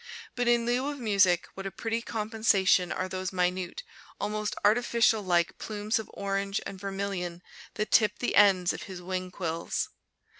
But in lieu of music, what a pretty compensation are those minute, almost artificial like, plumes of orange and vermilion that tip the ends of his wing quills!